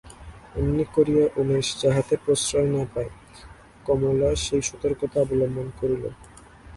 এমনি করিয়া উমেশ যাহাতে প্রশ্রয় না পায়, কমলা সেই সতর্কতা অবলম্বন করিল।